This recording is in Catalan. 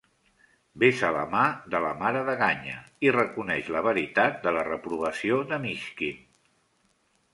Besa la mà de la mare de Ganya i reconeix la veritat de la reprovació de Myshkin.